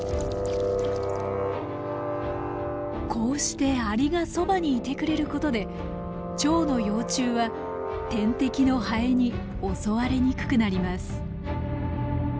こうしてアリがそばにいてくれることでチョウの幼虫は天敵のハエに襲われにくくなります。